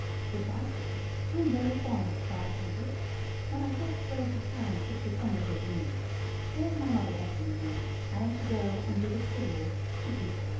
"Precisely. I am very fond of Squire Tempest. When I first rode to hounds it was under his wing. There's my mother beckoning me; I am to go and do the civil to people."